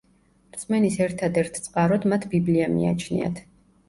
რწმენის ერთადერთ წყაროდ მათ ბიბლია მიაჩნიათ.